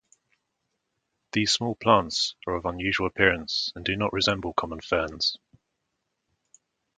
These small plants are of unusual appearance and do not resemble common ferns.